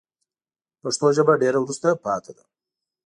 پښتو ژبه ډېره وروسته پاته ده